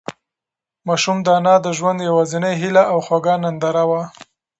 ماشوم د انا د ژوند یوازینۍ هيله او خوږه ننداره وه.